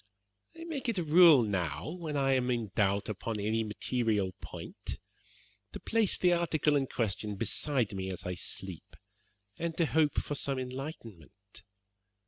"I make it a rule now when I am in doubt upon any material point to place the article in question beside me as I sleep, and to hope for some enlightenment.